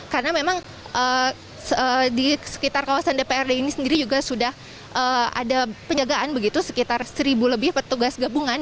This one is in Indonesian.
karena memang di sekitar kawasan dprd ini sendiri juga sudah ada penjagaan begitu sekitar seribu lebih petugas gabungan